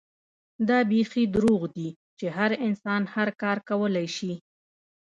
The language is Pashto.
دا بيخي دروغ دي چې هر انسان هر کار کولے شي